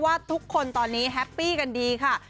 ว่าทุกคนตอนนี้แฮปปี้กันดีค่ะ